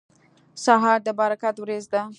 سهار د برکت وریځ ده.